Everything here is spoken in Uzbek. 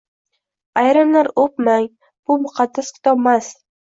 Ayrimlar o‘pmang, bu muqaddas kitobmas.